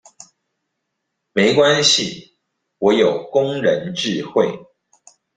沒關係我有工人智慧